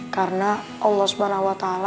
karena allah swt